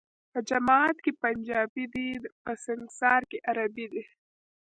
په جماعت کي پنجابی دی ، په سنګسار کي عربی دی